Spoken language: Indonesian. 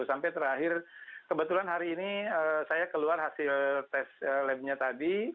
sampai terakhir kebetulan hari ini saya keluar hasil tes labnya tadi